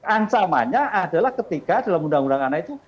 ancamannya adalah ketika dalam undang undang anak itu